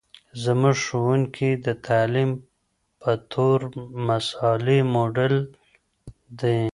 زموږ ښوونکې د تعلیم په بطور مثالي موډل دی.